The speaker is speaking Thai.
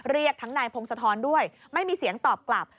เรียกทั้งนายพงศธรด้วยไม่มีเสียงตอบกลับ